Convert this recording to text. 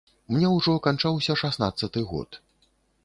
Мне ўжо канчаўся шаснаццаты год.